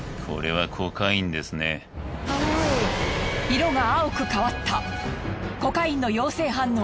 色が青く変わった。